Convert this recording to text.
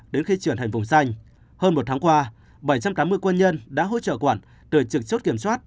đến khi trưởng thành vùng xanh hơn một tháng qua bảy trăm tám mươi quân nhân đã hỗ trợ quận tuyển trực chốt kiểm soát